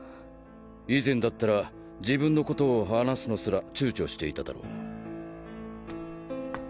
以前だったら自分の事を話すのすら躊躇していただろう。